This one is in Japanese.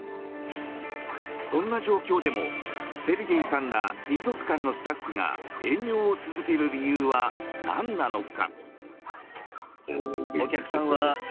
そんな状況でもセルゲイさんら水族館のスタッフが営業を続ける理由は何なのか。